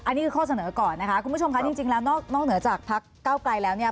อันนี้คือข้อเสนอก่อนนะคะคุณผู้ชมคะจริงแล้วนอกเหนือจากพักเก้าไกลแล้วเนี่ย